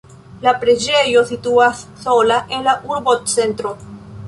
La preĝejo situas sola en la urbocentro.